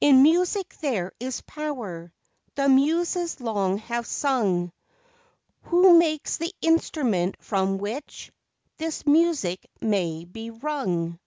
In music there is power, The muses long have sung, Who makes the instrument from which This music may be wrung?